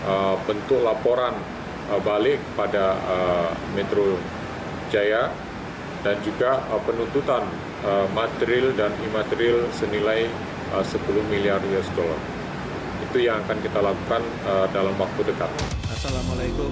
assalamualaikum warahmatullahi wabarakatuh